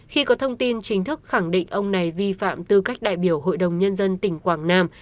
khi có thông tin chính thức khẳng định ông này vi phạm tư cách đại biểu hội đồng nhân dân tỉnh quảng nam